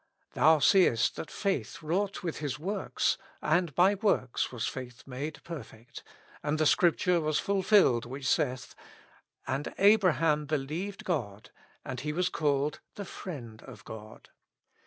"Thou seest that faith wrought with his works, and by works was faith made perfect ; and the scripture was fulfilled which saith, And Abraham believed God, and he was called the frieftd of God.